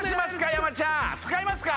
山ちゃん使いますか？